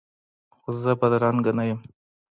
خو زه بدرنګه نه یم